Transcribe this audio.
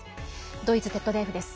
ドイツＺＤＦです。